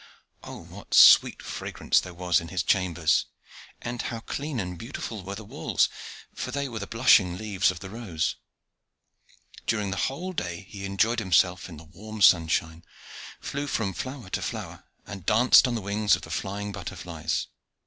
Oh, what sweet fragrance there was in his chambers! and how clean and beautiful were the walls! for they were the blushing leaves of the rose. During the whole day he enjoyed himself in the warm sunshine, flew from flower to flower, and danced on the wings of the flying butterflies.